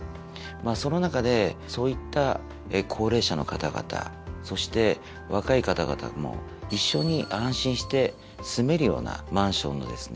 その中でそういった高齢者の方々そして若い方々も一緒に安心して住めるようなマンションのですね